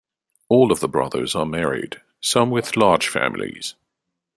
All of the brothers are married, some with large families.